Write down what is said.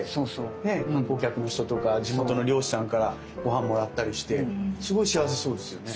観光客の人とか地元の漁師さんからごはんもらったりしてすごい幸せそうですよね。